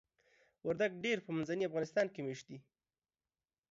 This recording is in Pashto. وردګ ډیری په منځني افغانستان کې میشت دي.